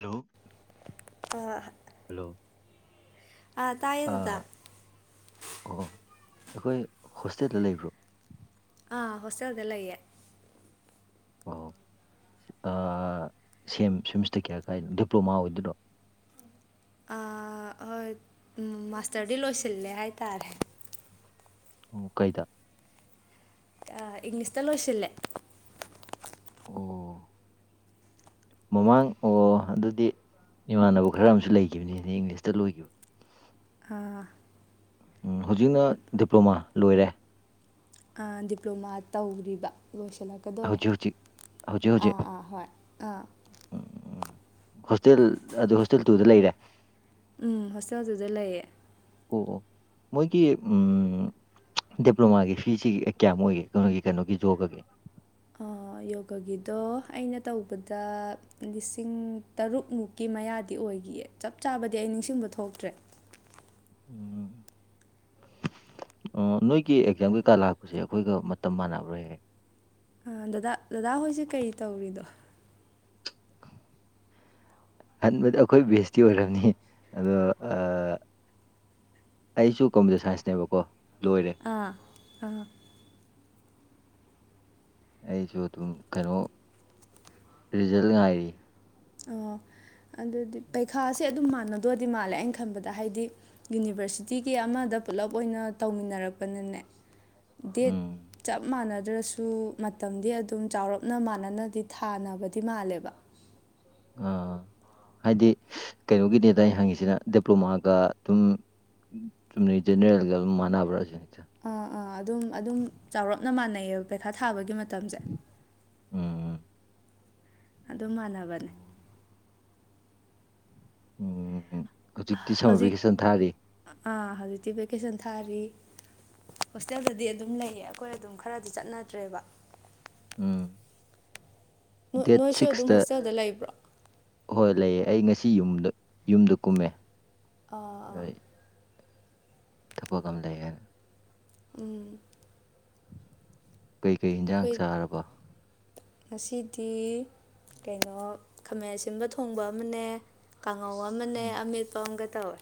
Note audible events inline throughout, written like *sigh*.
hello ꯑ hello ꯇꯥꯏꯌꯦ ꯗꯗꯥ ꯑꯣ ꯑꯩꯈꯣꯏ ꯍꯣꯁꯇꯦꯜꯗ ꯂꯩꯕ꯭ꯔꯣ ꯑꯥ ꯍꯣꯁꯇꯦꯜꯗꯂ ꯏꯌꯦꯦ ꯑꯣ ꯁꯦꯝ ꯁ꯭ꯝꯁꯇ ꯀꯌꯥ ꯀꯥꯏꯅꯣ ꯗꯤꯄ꯭ꯂꯣꯃꯥ ꯑꯣꯏꯗꯣꯏꯔꯣ ꯑꯥ ꯍꯣꯏ ꯃꯥꯁꯇꯔꯗꯤ ꯂꯣꯏꯁꯤꯜꯂꯦ ꯍꯥꯏꯇꯥꯔꯦ ꯃ ꯀꯩꯗ ꯏꯪꯂꯤꯁꯇ ꯂꯣꯏꯁꯤꯜꯂꯦ ꯑꯣ ꯃꯃꯥꯡ ꯑꯣ ꯑꯗꯨꯗꯤ ꯏꯃꯥꯟꯅꯕ ꯈꯔ ꯑꯃꯁꯨ ꯂꯩꯈꯤꯕꯅꯤ ꯍꯥꯏꯗꯤ ꯏꯪꯂꯤꯁꯇ ꯂꯣꯏꯈꯤꯕ ꯑꯥ ꯍꯧꯖꯤꯛꯅ ꯗꯤꯄ꯭ꯂꯣꯃꯥ ꯂꯣꯏꯔꯦ ꯗꯤꯄ꯭ꯂꯣꯃꯥ ꯇꯧꯔꯤꯕ ꯂꯣꯏꯁꯤꯜꯂꯛꯀꯗꯣꯔꯦ ꯍꯧꯖꯤꯛ ꯍꯧꯖꯤꯛ ꯑꯥ ꯑꯥ ꯍꯣꯏ ꯑꯥ ꯎꯝ ꯎꯝ ꯎꯝ ꯍꯣꯁꯇꯦꯜ ꯑꯗꯨ ꯍꯣꯁꯇꯦꯜ ꯇꯨꯗ ꯂꯩꯔꯦ ꯎꯝ ꯍꯣꯁꯇꯦꯜꯁꯤꯗ ꯂꯩꯌꯦ ꯑꯣ ꯑꯣ ꯃꯣꯏꯒꯤ ꯎꯝ ꯗꯤꯄ꯭ꯂꯣꯃꯥꯒꯤ ꯐꯤꯁꯤ ꯀꯌꯥꯃꯨꯛ ꯑꯣꯏꯒꯦ ꯀꯩꯅꯣꯒꯤ ꯀꯩꯅꯣꯒꯤ ꯖꯣꯕꯒꯒꯤ ꯑꯥ ꯌꯣꯒꯒꯤꯗꯣ ꯑꯩꯅ ꯇꯧꯕꯗ ꯂꯤꯁꯤꯡ ꯇꯔꯨꯛꯃꯨꯛꯀꯤ ꯃꯌꯥꯗꯤ ꯑꯣꯏꯈꯤꯌꯦ ꯆꯞ ꯆꯥꯕꯗꯤ ꯑꯩ ꯅꯤꯡꯁꯤꯡꯕ ꯊꯣꯛꯇ꯭ꯔꯦ ꯎꯝ ꯑ ꯅꯣꯏꯒꯤ ꯑꯦꯛꯖꯥꯝ ꯀꯩꯀꯥ ꯂꯥꯛꯄꯁꯦ ꯑꯩꯈꯣꯏꯒ ꯃꯇꯝ ꯃꯥꯟꯅꯕ꯭ꯔꯥꯍꯦꯛ ꯍꯦꯛ ꯗꯗꯥ ꯗꯗꯥ ꯍꯣꯏꯁꯦ ꯀꯔꯤ ꯇꯧꯔꯤꯗꯣ ꯍꯟꯕꯗ ꯑꯩꯈꯣꯏ ꯕꯦꯁꯇꯤ ꯑꯣꯏꯔꯝꯅꯤ ꯑꯗꯣ ꯑꯩꯁꯨ ꯀꯝꯄ꯭ꯌꯨꯇꯔ ꯁꯥꯏꯟꯁꯅꯦꯕꯀꯣ ꯂꯣꯏꯔꯦ ꯑꯥ ꯑꯥ ꯑꯩꯁꯨ ꯑꯗꯨꯝ ꯀꯩꯅꯣ ꯔꯤꯖꯜ ꯉꯥꯏꯔꯤ ꯑꯣ ꯑꯗꯨꯗꯤ ꯄꯩꯈꯥꯁꯦ ꯑꯗꯨꯝ ꯃꯥꯟꯅꯗꯣꯏꯔꯗꯤ ꯃꯥꯜꯂꯦ ꯑꯩꯅ ꯈꯟꯕꯗ ꯍꯥꯏꯗꯤ ꯌꯨꯅꯤꯚꯔꯁꯤꯇꯤꯒꯤ ꯑꯃꯗ ꯄꯨꯜꯂꯞ ꯑꯣꯏꯅ ꯇꯧꯃꯤꯟꯅꯔꯛꯄꯅꯅꯦ ꯗꯦꯠ ꯎꯝ ꯆꯞ ꯃꯥꯟꯅꯗ꯭ꯔꯁꯨ ꯑꯗꯨ ꯃꯇꯝꯗꯤ ꯑꯗꯨꯝ ꯆꯥꯎꯔꯞꯅ ꯃꯥꯟꯅꯅꯗꯤ ꯊꯥꯅꯕꯗꯤ ꯃꯥꯜꯂꯦꯕ ꯑ ꯍꯥꯏꯗꯤ ꯀꯩꯅꯣꯒꯤꯅꯦꯗ ꯑꯩꯅ ꯍꯪꯉꯤꯁꯤꯅ ꯗꯤꯄ꯭ꯂꯣꯃꯥꯒ ꯑꯗꯨꯝ ꯆꯨꯝꯅ ꯖꯦꯅꯔꯦꯜꯒ ꯑꯗꯨꯝ ꯃꯥꯟꯅꯕ꯭ꯔꯥ ꯁꯤ ꯑꯥ ꯑꯥ ꯑꯗꯨꯝ ꯑꯗꯨꯝ ꯆꯥꯎꯔꯞꯅ ꯃꯥꯟꯅꯩꯑꯌꯦꯕ ꯄꯩꯈꯥ ꯊꯥꯕꯒꯤ ꯃꯇꯝꯁꯦ ꯎꯝ ꯎꯝ ꯑꯗꯨ ꯃꯥꯟꯅꯕꯅꯦ ꯎꯝ ꯍꯧꯖꯤꯛꯇꯤ ꯁꯝꯃꯔ ꯍꯧꯖꯤꯛ ꯚꯦꯀꯦꯁꯟ ꯊꯥꯔꯤ ꯑꯥ ꯍꯧꯖꯤꯛꯇꯤ ꯚꯦꯀꯦꯁꯟ ꯊꯥꯔꯤ ꯍꯣꯁꯇꯦꯜꯗꯨꯗꯤ ꯑꯗꯨꯝ ꯂꯩꯌꯦ ꯑꯩꯈꯣꯏ ꯑꯗꯨꯝ ꯈꯔꯗꯤ ꯆꯠꯅꯗ꯭ꯔꯦꯕ ꯎꯝ ꯗꯦꯠ ꯅꯣꯏꯁꯨ ꯑꯗꯨꯝ ꯁꯤꯛꯁꯇ ꯍꯣꯁꯇꯦꯜꯗ ꯂꯩꯕ꯭ꯔꯣ ꯍꯣꯏ ꯂꯩꯌꯦ ꯑꯩ ꯉꯁꯤ ꯌꯨꯝꯗ ꯌꯨꯝꯗ ꯀꯨꯝꯃꯦ ꯑꯥ ꯑꯥ ꯊꯕꯄ ꯉꯝ ꯂꯩꯦꯅ ꯎꯝ ꯀꯩꯀꯩ ꯏꯟꯖꯥꯡ ꯑꯩꯈꯣꯏ ꯆꯥꯔꯕ ꯉꯁꯤꯗꯤ ꯀꯩꯅꯣ ꯈꯥꯃꯦꯟ ꯑꯁꯤꯟꯕ ꯊꯣꯡꯕ ꯑꯃꯅꯦ ꯀꯥꯡꯉꯧ ꯑꯃꯅꯦ ꯎꯝ ꯑꯃꯦꯠꯄ ꯑꯃꯒ ꯇꯧꯋꯦ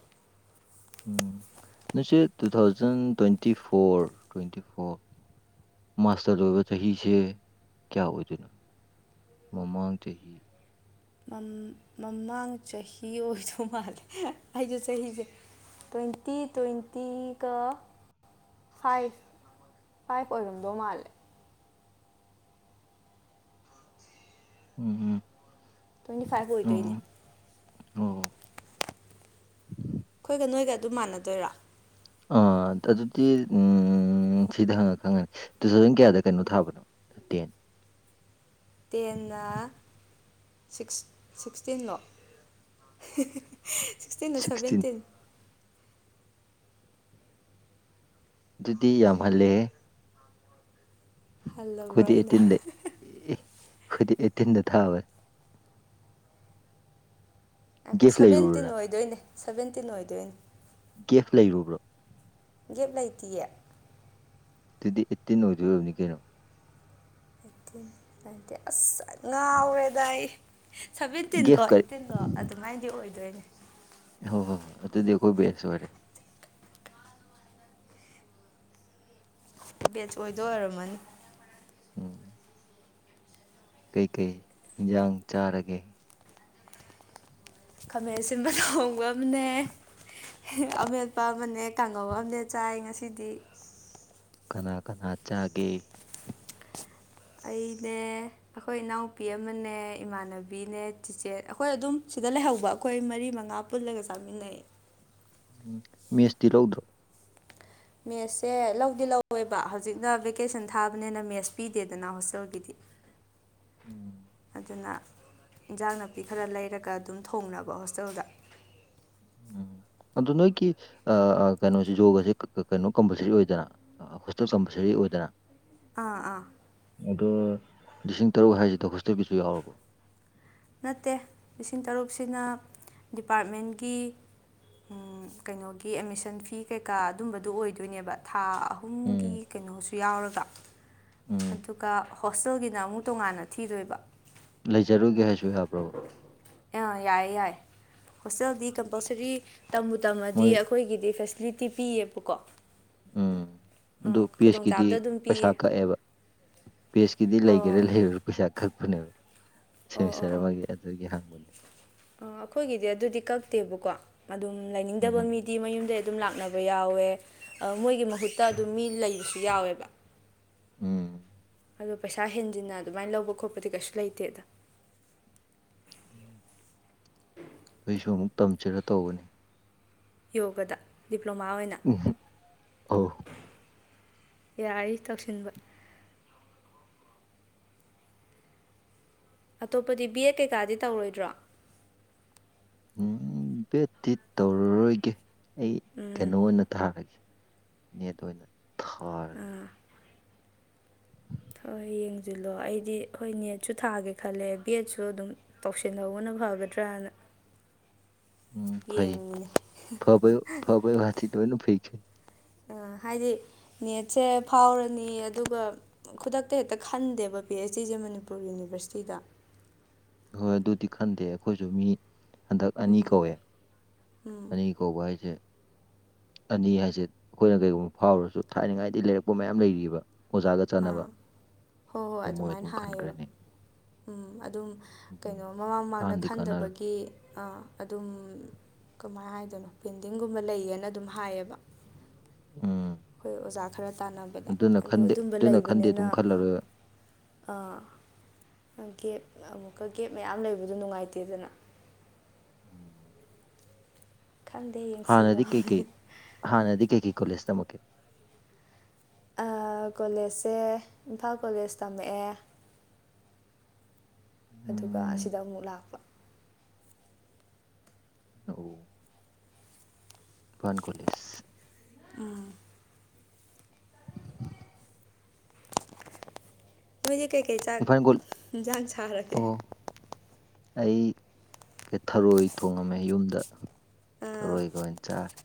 ꯎꯝ ꯅꯁꯤ two thousand twenty four twenty four master ꯑꯣꯏꯕ ꯆꯍꯤꯁꯦ ꯀꯌꯥ ꯑꯣꯏꯗꯣꯏꯅꯣ ꯃꯃꯥꯡ ꯆꯍꯤ ꯃꯃꯥꯡ ꯆꯍꯤ ꯑꯣꯏꯗꯧ ꯃꯥꯜꯂꯦ ꯑꯩꯁꯦ ꯆꯍꯤꯁꯦ ꯇ꯭ꯋꯦꯟꯇꯤ ꯇ꯭ꯋꯦꯟꯇꯤ ꯀ ꯐꯥꯏꯚ ꯐꯥꯏꯚ ꯑꯣꯏꯔꯝꯗꯧ ꯃꯥꯜꯂꯦ ꯎꯝ ꯎꯝ ꯇ꯭ꯋꯦꯟꯇꯤ ꯐꯥꯏꯚ ꯑꯣꯏꯗꯣꯏꯅꯦ ꯑꯣ ꯑꯣ ꯑꯩꯈꯣꯏꯒ ꯅꯣꯏꯒ ꯑꯗꯨꯝ ꯃꯥꯟꯅꯗꯣꯏꯔꯥ ꯑ ꯑꯗꯨꯗꯤ ꯁꯤꯗ ꯍꯪꯉ ꯈꯪꯉꯅꯤ ꯇꯨ ꯊꯥꯎꯖꯟ ꯀꯌꯥꯗ ꯀꯩꯅꯣ ꯊꯥꯕꯅꯣ ꯇꯦꯟ ꯇꯦꯟꯅ ꯁꯤꯛꯁꯇꯤꯟꯂꯣ ꯁꯤꯛꯁꯇꯤꯟꯗ ꯁꯤꯛꯁꯇꯤꯟ ꯁꯚꯦꯟꯇꯤꯟ ꯑꯗꯨꯗꯤ ꯌꯥꯝ ꯍꯜꯂꯦꯍꯦ ꯍꯜꯂꯕ꯭ꯔꯣ ꯑꯩꯈꯣꯢꯗꯤ ꯑꯩꯅ ꯑꯦꯠꯇꯤꯟꯅꯦ ꯑꯩꯈꯣꯢꯗꯤ ꯑꯦꯠꯇꯦꯟꯗ ꯊꯥꯕꯅꯦ ꯉꯥꯢꯈꯣ ꯒꯦꯐ ꯁꯕꯦꯟꯇꯤꯟ ꯂꯩꯔꯨꯕ꯭ꯔꯥ ꯑꯣꯏꯗꯣꯏꯅꯦ ꯁꯕꯦꯟꯇꯤꯟ ꯑꯣꯏꯗꯣꯏꯅꯦ ꯒꯦꯐ ꯂꯩꯔꯨꯕ꯭ꯔꯣ ꯒꯦꯞ ꯂꯩꯇꯤꯌꯦ ꯑꯗꯨꯗꯤ ꯑꯦꯠꯇꯤꯟ ꯑꯣꯏꯗꯣꯏ ꯑꯣꯢꯔꯝꯅꯤ ꯀꯩꯅꯣ ꯈꯪꯗꯦ ꯑꯁ ꯉꯥꯎꯔꯦꯗ ꯑꯩ ꯁꯦꯚꯦꯟꯇꯤꯟꯒꯣ ꯒꯦꯐ ꯀꯔꯤ ꯑꯩꯠꯇꯤꯟꯗꯣ ꯑꯗꯨꯃꯥꯏꯅꯗꯤ ꯑꯣꯏꯗꯣꯏꯅꯦ ꯍꯣ ꯍꯣꯢ ꯑꯗꯨꯗꯤ ꯑꯩꯈꯣꯏ ꯕꯦꯁ ꯑꯣꯏꯔꯦ ꯕꯦꯠꯁ ꯑꯣꯏꯗꯣꯏ ꯑꯣꯏꯔꯝꯃꯅꯤ ꯎꯝ ꯀꯩꯀꯩ ꯏꯟꯖꯥꯥꯡ ꯆꯥꯔꯒꯦ ꯈꯥꯃꯦꯟ ꯑꯁꯤꯟꯕ ꯊꯣꯡꯕ ꯑꯃꯅꯦ ꯑꯃꯦꯠꯄ ꯑꯃꯅꯦ ꯀꯥꯡꯉꯧ ꯑꯃꯅꯦ ꯆꯥꯏ ꯉꯁꯤꯗꯤ ꯀꯅꯥ ꯀꯅꯥ ꯆꯥꯒꯦ ꯑꯩꯅꯦ ꯑꯩꯈꯣꯏ ꯏꯅꯥꯎꯄꯤ ꯑꯃꯅꯦ ꯏꯃꯥꯟꯅꯕꯤꯅꯦ ꯆꯤꯆꯦ ꯑꯩꯈꯣꯏ ꯑꯗꯨꯝ ꯁꯤꯗ ꯂꯩꯍꯧꯕ ꯑꯩꯈꯣꯏ ꯃꯔꯤ ꯃꯉꯥ ꯄꯨꯜꯂꯒ ꯆꯥꯃꯤꯟꯅꯌꯦ ꯎꯝ ꯃꯦꯁꯇꯤ ꯂꯧꯗ꯭ꯔꯣ ꯃꯦꯁꯁꯦ ꯂꯧꯗꯤ ꯂꯧꯋꯦꯕ ꯍꯧꯖꯤꯛꯅ ꯕꯦꯀꯦꯁꯟ ꯊꯥꯕꯅꯤꯅ ꯃꯦꯁ ꯄꯤꯗꯦꯗꯅ ꯍꯣꯁꯇꯦꯜꯒꯤꯗꯤ ꯎꯝ ꯑꯗꯨꯅ ꯏꯟꯖꯥꯡ ꯅꯥꯄꯤ ꯈꯔ ꯂꯩꯔꯒ ꯑꯗꯨꯝ ꯊꯣꯡꯅꯕ ꯍꯣꯁꯇꯦꯜꯗ ꯎꯝ ꯑꯗꯨ ꯅꯣꯏꯒꯤ ꯑ ꯑ ꯀꯩꯅꯣꯁꯤꯖꯨ ꯍꯧꯖꯤꯛ ꯀ ꯀ ꯀꯩꯅꯣ ꯀꯝꯄꯜꯁꯔꯤ ꯑꯣꯏꯗꯣꯏꯔ ꯑꯥ ꯍꯣꯁꯇꯦꯜ ꯀꯝꯄꯜꯁꯔꯤ ꯑꯣꯏꯗꯅ ꯑꯥ ꯑꯥ ꯑꯗꯣ ꯂꯤꯁꯤꯡ ꯇꯔꯨꯛ ꯍꯥꯏꯁꯤꯗ ꯍꯣꯁꯇꯦꯜꯒꯤꯁꯨ ꯌꯥꯎꯔꯕꯣ ꯅꯠꯇꯦ ꯂꯤꯁꯤꯡ ꯇꯔꯨꯛꯁꯤꯅ ꯗꯤꯄꯥꯔꯠꯃꯦꯟꯒꯤ ꯎꯝ ꯀꯩꯅꯣꯒꯤ ꯑꯦꯠꯃꯤꯁꯟ ꯐꯤ ꯀꯩꯀꯥ ꯑꯗꯨꯝꯕꯗꯨ ꯑꯣꯏꯗꯣꯏꯅꯦꯕ ꯊꯥ ꯑꯍꯨꯝꯒꯤ ꯎꯝ ꯀꯩꯅꯣꯁꯨ ꯌꯥꯎꯔꯒ ꯎꯝ ꯑꯗꯨꯒ ꯍꯣꯁꯇꯦꯜꯒꯤꯅ ꯑꯃꯨꯛ ꯇꯣꯉꯥꯟꯅ ꯊꯤꯗꯣꯏꯕ ꯂꯩꯖꯔꯨꯒꯦ ꯍꯥꯏ ꯑ ꯌꯥꯏ ꯌꯥꯏ ꯍꯣꯁꯇꯦꯜꯗꯤ ꯀꯝꯄꯜꯁꯔꯤ ꯇꯝꯕꯨ ꯇꯝꯃꯗꯤ ꯃꯣꯏ ꯑꯩꯈꯣꯏꯒꯤꯗꯤ ꯐꯦꯁꯤꯂꯤꯇꯤ ꯄꯤꯌꯦꯕꯀꯣ ꯎꯝ ꯑꯗꯨ ꯄꯦꯁꯀꯤꯗꯤ ꯈꯨꯗꯣꯡꯆꯥꯕꯗꯣ ꯑꯗꯨꯝ ꯄꯩꯁꯥ ꯄꯤꯌꯦ ꯀꯛꯑꯦꯕ ꯄꯦꯁꯀꯤꯗꯤ ꯂꯩꯒꯦꯔꯥ ꯑꯣ ꯂꯩ ꯄꯩꯁꯥ ꯀꯛꯄꯅꯦꯕ ꯑꯣ ꯑꯣ ꯁꯦꯃꯤꯁꯇꯔ ꯑꯣ ꯑꯃꯒꯤ ꯑꯗꯨꯒꯤ ꯍꯪꯕꯅꯦ ꯑꯩꯈꯣꯏꯒꯤꯗꯤ ꯑꯗꯨꯗꯤ ꯀꯛꯇꯦꯕꯀꯣ ꯑꯗꯨꯝ ꯂꯩꯅꯤꯡꯗꯕ ꯎꯝ ꯃꯤꯗꯤ ꯃꯌꯨꯝꯗ ꯑꯗꯨꯝ ꯂꯥꯛꯅꯕ ꯌꯥꯎꯋꯦ ꯃꯣꯏꯒꯤ ꯃꯍꯨꯠꯇ ꯑꯗꯨꯝ ꯃꯤ ꯂꯩꯕꯁꯨ ꯌꯥꯎꯋꯦꯕ ꯎꯝ ꯑꯗꯣ ꯄꯩꯁꯥ ꯍꯦꯟꯖꯤꯟꯅ ꯑꯗꯨꯃꯥꯏꯅ ꯂꯧꯕ ꯈꯣꯠꯄꯗꯤ ꯀꯩꯁꯨ ꯂꯩꯇꯦꯗ ꯎꯝ ꯑꯩꯁꯨ ꯑꯃꯨꯛ ꯇꯝꯁꯤꯔ ꯇꯧꯕꯅꯤ ꯌꯣꯒꯗ ꯗꯤꯄ꯭ꯂꯣꯃꯥ ꯑꯣꯏꯅ ꯎꯝ ꯑꯧ ꯌꯥꯏ ꯇꯧꯁꯤꯟꯕ ꯑꯇꯣꯞꯄꯗꯤ ꯕꯤ ꯑꯦꯠ ꯀꯩꯀꯥꯗꯤ ꯇꯧꯔꯣꯏꯗ꯭ꯔꯣ ꯎꯝ ꯕꯦꯠꯇꯤ ꯇꯧꯔꯔꯣꯏꯒꯦ ꯑꯩ ꯀꯩꯅꯣ ꯑꯣꯏꯅ ꯊꯥꯔꯒꯦ ꯅꯦꯠ ꯑꯣꯏꯅ ꯊꯥꯔꯒꯦ ꯑꯥ ꯍꯣꯏ ꯌꯦꯡꯁꯤꯜꯂꯣ ꯑꯩꯗꯤ ꯍꯣꯏ ꯅꯦꯠꯁꯨ ꯊꯥꯒꯦ ꯈꯜꯂꯦ ꯕꯦꯠꯁꯨ ꯑꯗꯨꯝ ꯇꯧꯁꯤꯜꯍꯧꯕꯅ ꯐꯒꯗ꯭ꯔꯥꯅ ꯎꯝ ꯐꯩ ꯌꯦ ꯐꯕꯩ ꯐꯥꯕꯩ ꯋꯥꯗꯤ ꯂꯣꯏꯅꯥ ꯐꯩ ꯀꯩꯅꯣ ꯍꯥꯏꯗꯤ ꯅꯦꯠꯁꯦ ꯐꯥꯎꯔꯅꯤ ꯑꯗꯨꯒ ꯈꯨꯗꯛꯇ ꯍꯦꯛꯇ ꯈꯟꯗꯦꯕ ꯄꯤ ꯑꯩꯆ ꯗꯤꯁꯦ ꯃꯅꯤꯄꯨꯔ ꯌꯨꯅꯤꯕꯔꯁꯤꯇꯤꯗ ꯍꯣꯏ ꯑꯗꯨꯗꯤ ꯈꯟꯗꯦ ꯑꯩꯈꯣꯏꯁꯨ ꯃꯤ ꯍꯟꯗꯛ ꯑꯅꯤ ꯀꯧꯏꯦ ꯑꯅꯤ ꯀꯧꯕ ꯍꯥꯏꯁꯦ ꯑꯅꯤ ꯍꯥꯏꯁꯦ ꯑꯩꯈꯣꯏꯅ ꯀꯔꯤꯒꯨꯝꯕ ꯐꯥꯎꯔꯁꯨ ꯊꯥꯏꯅꯉꯥꯏꯗꯤ ꯂꯩꯔꯛꯄ ꯃꯌꯥꯝ ꯂꯩꯔꯤꯕ ꯑꯣꯖꯥꯒ ꯆꯥꯟꯅꯕ ꯑꯥ ꯍꯣꯏ ꯍꯣꯏ ꯑꯗꯨ ꯃꯣꯏ ꯑꯗꯨꯃꯥꯏꯅ ꯑꯗꯨꯝ ꯍꯥꯏꯌꯦꯕ ꯈꯟꯈ꯭ꯔꯅꯤ ꯎꯝ ꯑꯗꯨꯝ ꯑꯗꯨꯅꯤ ꯀꯩꯅꯣ ꯃꯃꯥꯡ ꯃꯃꯥꯡꯗ ꯀꯥꯟꯗꯤ ꯀꯥꯟꯅꯔꯦ ꯈꯟꯗꯕꯒꯤ ꯑꯥ ꯑꯗꯨꯝ ꯀꯃꯥꯏꯅ ꯍꯥꯏꯗꯣꯏꯅꯣ ꯄꯦꯟꯗꯤꯡꯒꯨꯝꯕ ꯂꯩꯌꯦꯅ ꯑꯗꯨꯝ ꯍꯥꯏꯌꯦꯕ ꯑꯣ ꯑꯩꯈꯣꯏ ꯑꯣꯖꯥ ꯈꯔ ꯇꯥꯅꯕꯗ ꯑꯗꯣ ꯑꯗꯨꯝꯕ ꯑꯗꯨꯅ ꯈꯟꯗꯦ ꯂꯩꯕꯅꯤꯅ ꯑꯗꯨꯝ ꯈꯜꯂꯔꯣꯏ ꯑꯥ ꯀꯦꯞ ꯑꯃꯨꯛꯀ ꯒꯦꯞ ꯃꯌꯥꯝ ꯂꯩꯕꯗꯣ ꯅꯨꯡꯉꯥꯏꯇꯦꯗꯅ ꯎꯝ ꯈꯪꯗꯦ ꯌꯦꯡꯁꯤꯜꯂꯣ ꯍꯥꯅꯗꯤ ꯀꯩꯀꯤ ꯈꯣꯂꯁꯃꯦ ꯀꯣꯂꯦꯖꯁꯦ ꯏꯝꯐꯥꯜ ꯀꯣꯂꯦꯖ ꯇꯝꯃꯛꯑꯦ ꯑꯗꯨꯒ ꯎꯝ ꯑꯁꯤꯗ ꯑꯃꯨꯛ ꯂꯥꯛꯄ ꯑꯣ ꯀꯣꯂꯤꯁ ꯎꯝ ꯃꯣꯏꯗꯤ ꯀꯩꯀꯩ ꯆꯥꯛ ꯏꯝꯐꯥꯜ ꯀꯣ ꯌꯦꯟꯁꯥꯡ ꯁꯥꯔꯒꯦ ꯑꯣ ꯑꯩ ꯊꯔꯣꯏ ꯊꯣꯡꯉꯝꯃꯦ ꯌꯨꯝꯗ ꯊꯔꯣꯏꯒ ꯑꯣꯏꯅ ꯆꯥꯔꯦ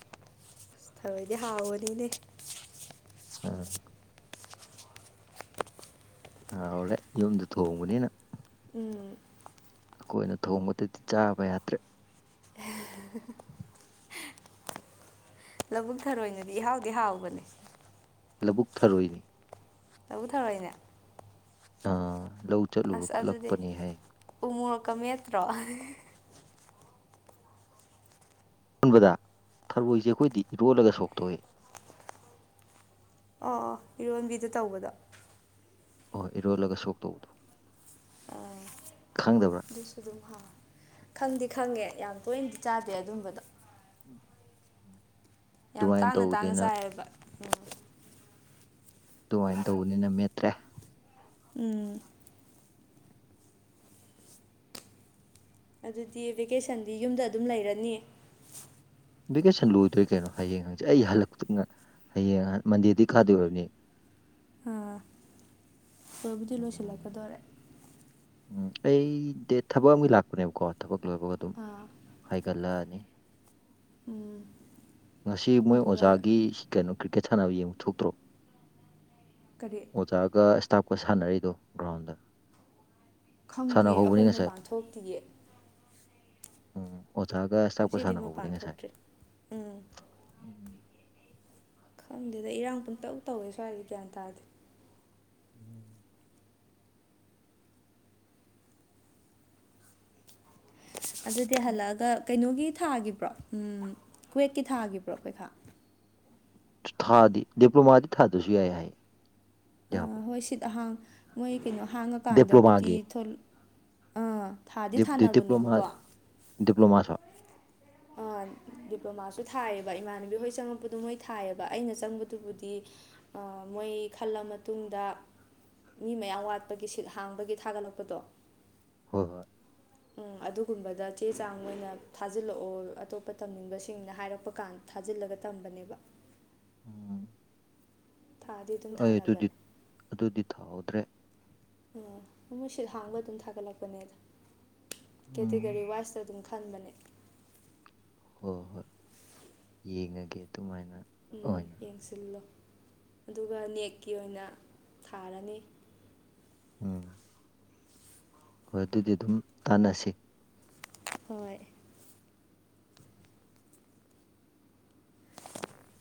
ꯊꯔꯣꯏꯗꯤ ꯍꯥꯎꯕꯅꯤꯅꯦ ꯑ ꯍꯥꯎꯔꯦ ꯌꯨꯝꯗ ꯊꯣꯡꯕꯅꯤꯅ ꯎꯝ ꯑꯩꯈꯣꯏꯅ ꯊꯣꯡꯕꯗꯗꯤ ꯆꯥꯕ ꯌꯥꯗ꯭ꯔꯦ *unintelligible* ꯂꯧꯕꯨꯛ ꯊꯔꯣꯏꯅꯗꯤ ꯏꯍꯥꯎꯗꯤ ꯍꯥꯎꯕꯅꯤ ꯂꯧꯕꯨꯛ ꯊꯔꯣꯏꯅꯤ ꯂꯧꯕꯨꯛ ꯊꯥꯔꯣꯏꯅꯦ ꯑꯥ ꯂꯧ ꯆꯠꯂꯨꯕ ꯑꯁ ꯑꯗꯨꯗꯤ ꯈꯨꯠꯂꯛꯄꯅꯤ ꯍꯥꯏ ꯎ ꯃꯣꯔꯛꯀ ꯃꯠꯇ꯭ꯔꯣ ꯊꯔꯣꯏꯁꯦ ꯑꯩꯈꯣꯏꯗꯤ ꯏꯔꯣꯜꯂꯒ ꯁꯣꯛ ꯇꯧꯋꯦ ꯑꯣ ꯏꯔꯣꯟꯕꯤꯗ ꯇꯧꯕꯗꯣ ꯑꯣꯍꯣꯏ ꯏꯔꯣꯜꯂꯒ ꯁꯣꯛ ꯇꯧꯕꯗꯣ ꯑꯥ ꯈꯪꯗꯕ꯭ꯔꯥ ꯑꯗꯨꯁꯨ ꯑꯗꯨꯝ ꯍꯥꯎ ꯈꯪꯗꯤ ꯈꯪꯉꯦ ꯌꯥꯝ ꯇꯣꯏꯅꯗꯤ ꯆꯥꯗꯦ ꯑꯗꯨꯝꯕꯗꯣ ꯎꯝ ꯌꯥꯝ ꯇꯥꯡꯅ ꯇꯥꯡꯅ ꯆꯥꯏꯌꯦꯕ ꯎ ꯑꯗꯨꯃꯥꯏꯅ ꯇꯧꯕꯅꯤꯅ ꯃꯦꯠꯇ꯭ꯔꯦ ꯎꯝ ꯑꯗꯨꯗꯤ ꯚꯦꯀꯦꯁꯟꯗꯤ ꯌꯨꯝꯗ ꯑꯗꯨꯝ ꯂꯩꯔꯅꯤ ꯚꯦꯀꯦꯁꯟ ꯂꯣꯏꯗꯣꯔꯦ ꯀꯩꯅꯣ ꯍꯌꯦꯡ ꯍꯪꯆꯦ ꯑꯩ ꯍꯜꯂꯛꯇ ꯍꯌꯦꯡ ꯃꯟꯗꯦꯗꯤ ꯀꯥꯗꯣꯏ ꯑꯣꯏꯔꯝꯅꯤ ꯑ ꯂꯣꯏꯕꯨꯗꯤ ꯎꯝ ꯂꯣꯏꯁꯜꯂꯛꯀꯗꯧꯔꯦ ꯎꯝ ꯑꯩ ꯗꯦ ꯊꯕꯛ ꯑꯃꯒꯤ ꯂꯥꯛꯄꯅꯦꯕꯀꯣ ꯊꯕꯛ ꯂꯣꯏꯕꯒ ꯑꯗꯨꯝ ꯑꯥ ꯍꯥꯏꯒꯠꯂꯛꯑꯅꯤ ꯎꯝ ꯉꯁꯤ ꯃꯣꯏ ꯑꯗꯨꯒ ꯑꯣꯖꯥꯒꯤ ꯀꯩꯅꯣ ꯀ꯭ꯔꯤꯀꯦꯠ ꯁꯥꯟꯅꯕ ꯌꯦꯡꯕ ꯊꯣꯛꯇ꯭ꯔꯣ ꯀꯔꯤ ꯑꯣꯖꯥꯒ ꯏꯁ꯭ꯇꯥꯞꯀ ꯁꯥꯟꯅꯔꯤꯗꯣ ꯒ꯭ꯔꯥꯎꯟꯗ ꯈꯪꯗꯦ ꯁꯥꯟꯅꯍꯧꯕꯅꯤ ꯑꯩꯈꯣꯏ ꯉꯁꯥꯏ ꯃꯄꯥꯟ ꯊꯣꯛꯇꯤꯌꯦ ꯎꯝ ꯑꯣꯖꯥꯒ ꯏꯁꯇꯥꯞꯀ ꯉꯁꯤꯗꯤ ꯁꯥꯟꯅꯍꯧꯕꯅꯤ ꯃꯄꯥꯟ ꯉꯁꯥꯏ ꯊꯣꯛꯇ꯭ꯔꯤ ꯎꯝ ꯎꯝ ꯈꯪꯗꯦꯗ ꯏꯔꯥꯡ ꯄꯨꯡꯇꯧ ꯇꯧꯋꯦ ꯁ꯭ꯋꯥꯏ ꯒ꯭ꯌꯥꯟ ꯇꯥꯗꯦ *inaudible* ꯑꯗꯨꯗꯤ ꯍꯜꯂꯛꯑꯒ ꯀꯩꯅꯣꯒꯤ ꯊꯥꯒꯤꯈꯤꯕ꯭ꯔꯣ ꯎꯝ ꯀ꯭ꯋꯦꯠꯀꯤ ꯊꯥꯒꯤꯕ꯭ꯔꯣ ꯄꯩꯈꯥ ꯊꯥꯗꯤ ꯗꯤꯄ꯭ꯂꯣꯃꯥꯗꯤ ꯊꯥꯗꯔꯁꯨ ꯌꯥꯏ ꯍꯥꯏ ꯑ ꯌꯥꯕ꯭ꯔꯣ ꯍꯣꯏ ꯁꯤꯠ ꯑꯍꯥꯡ ꯃꯣꯏ ꯀꯩꯅꯣ ꯍꯥꯡꯉꯀꯥꯟꯗꯕꯨꯗꯤ ꯗꯤꯄ꯭ꯂꯣꯃꯥꯒꯤ ꯊꯣꯂ ꯗꯤꯄ꯭ꯂꯣꯃꯥ ꯗꯤꯄ꯭ꯂꯣꯃꯥ ꯁꯣ ꯑꯥ ꯗꯤꯄ꯭ꯂꯣꯃꯥꯁꯨ ꯊꯥꯏꯌꯦꯕ ꯏꯃꯥꯟꯅꯕꯤ ꯍꯣꯏ ꯆꯪꯉꯛꯄꯗꯨ ꯃꯣꯏ ꯊꯥꯏꯌꯦꯕ ꯑꯩꯅ ꯆꯪꯕꯗꯨꯕꯨꯗꯤ ꯃꯣꯏ ꯈꯜꯂ ꯃ ꯇꯨꯡꯗ ꯃꯤ ꯃꯌꯥꯝ ꯋꯥꯠꯄꯒꯤ ꯁꯤꯠ ꯍꯥꯡꯕꯒꯤ ꯊꯥꯒꯠꯂꯛꯄꯗꯣ ꯍꯣꯏ ꯍꯣꯏ ꯑꯗꯨꯒꯨꯝꯕꯗ ꯆꯦ ꯆꯥꯡ ꯃꯣꯏꯅ ꯊꯥꯖꯤꯜꯂꯛꯑꯣ ꯑꯇꯣꯞꯄ ꯇꯝꯅꯤꯡꯕꯁꯤꯡꯅ ꯍꯥꯏꯔꯛꯄ ꯀꯥꯟ ꯊꯥꯖꯤꯜꯂꯒ ꯇꯝꯕꯅꯦꯕ *inaudible* ꯊꯥꯗꯤ ꯑꯗꯨꯝ ꯑꯩ ꯑꯗꯨꯗꯤ ꯊꯥꯅꯕꯅꯦ ꯑꯗꯨꯗꯤ ꯊꯥꯍꯧꯗ꯭ꯔꯦ ꯎꯝ ꯃꯣꯏ ꯁꯤꯠ ꯍꯥꯡꯕ ꯑꯗꯨꯝ ꯊꯥꯒꯠꯂꯛꯄꯅꯦꯗ ꯎꯝ ꯀꯦꯇꯤꯒꯣꯔꯤ ꯋꯥꯏꯁꯇ ꯑꯗꯨꯝ ꯈꯟꯕꯅꯦ ꯍꯣꯏ ꯍꯣꯏ ꯌꯦꯡꯉꯒꯦ ꯑꯗꯨꯃꯥꯏꯅ ꯎꯝ ꯑꯣꯏꯅ ꯌꯦꯡꯁꯤꯜꯂꯣ ꯑꯗꯨꯒ ꯅꯦꯛꯀꯤ ꯑꯣꯏꯅ ꯊꯥꯔꯅꯤ ꯎꯝ ꯍꯣꯏ ꯑꯗꯨꯗꯤ ꯑꯗꯨꯝ ꯇꯥꯟꯅꯁꯤ ꯍꯣꯏ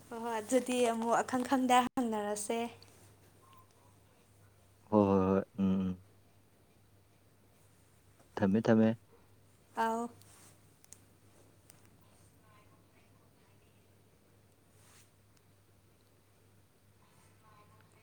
ꯍꯣꯏ ꯍꯣꯏ ꯑꯗꯨꯗꯤ ꯑꯃꯨꯛ ꯑꯈꯪ ꯈꯪꯗ ꯍꯪꯅꯔꯁꯦ ꯍꯣꯏ ꯍꯣꯏ ꯍꯣꯏ ꯎꯝ ꯎꯝ ꯊꯝꯃꯦ ꯊꯝꯃꯦ ꯑꯧ